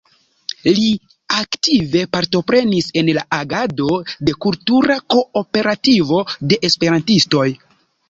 Li aktive partoprenis en la agado de Kultura Kooperativo de Esperantistoj.